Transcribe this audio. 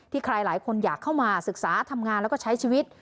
ใครหลายคนอยากเข้ามาศึกษาทำงานแล้วก็ใช้ชีวิต